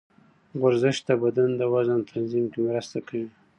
ورزش د بدن د وزن تنظیم کې مرسته کوي.